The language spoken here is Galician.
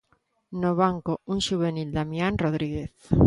No banco un xuvenil, Damián Rodríguez.